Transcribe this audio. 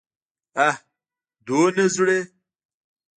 اه! دومره زړه!